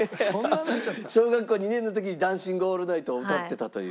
小学校２年の時に『ダンシング・オールナイト』を歌ってたという。